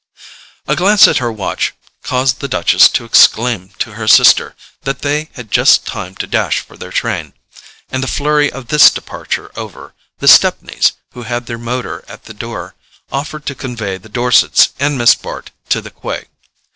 A glance at her watch caused the Duchess to exclaim to her sister that they had just time to dash for their train, and the flurry of this departure over, the Stepneys, who had their motor at the door, offered to convey the Dorsets and Miss Bart to the quay.